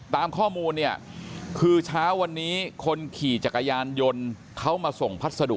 ตามข้อมูลเนี่ยคือเช้าวันนี้คนขี่จักรยานยนต์เขามาส่งพัสดุ